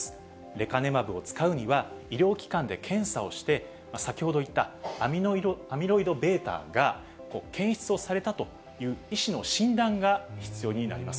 レカネマブを使うには、医療機関で検査をして、先ほど言ったアミロイドβが検出をされたという医師の診断が必要になります。